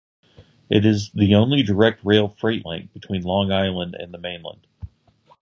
It is the only direct rail freight link between Long Island and the mainland.